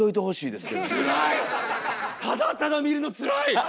ただただ見るのつらい！